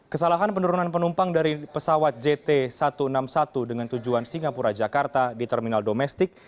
kesalahan penurunan penumpang dari pesawat jt satu ratus enam puluh satu dengan tujuan singapura jakarta di terminal domestik